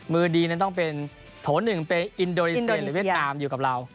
มือดีนั้นต้องเป็นโถ่๑เป็นอินโดนิเซียวิทยาลัยอยู่กับเรา